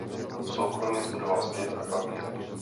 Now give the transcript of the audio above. Soukromě studoval zpěv a klavír.